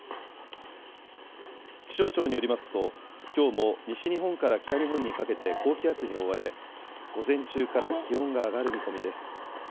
気象庁によりますと、きょうも西日本から北日本にかけて高気圧に覆われ、午前中から気温が上がる見込みです。